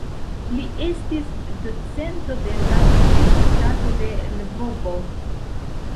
Li estis docento de la Universitato de Lvovo.